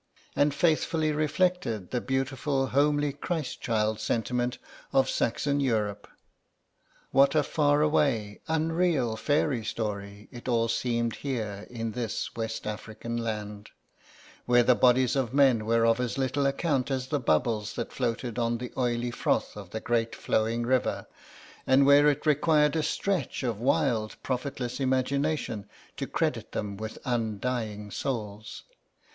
and faithfully reflected the beautiful homely Christ child sentiment of Saxon Europe. What a far away, unreal fairy story it all seemed here in this West African land, where the bodies of men were of as little account as the bubbles that floated on the oily froth of the great flowing river, and where it required a stretch of wild profitless imagination to credit them with undying souls.